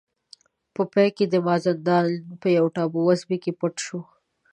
په پای کې د مازندران په یوې ټاپو وزمې کې پټ شو.